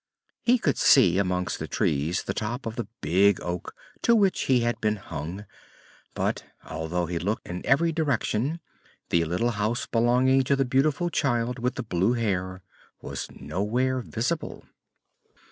He could see amongst the trees the top of the Big Oak to which he had been hung, but, although he looked in every direction, the little house belonging to the beautiful Child with the blue hair was nowhere visible.